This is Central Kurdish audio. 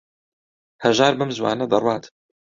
هەژار بەم زووانە دەڕوات.